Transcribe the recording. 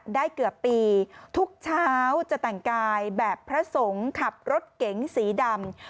เกือบปีทุกเช้าจะแต่งกายแบบพระสงฆ์ขับรถเก๋งสีดำ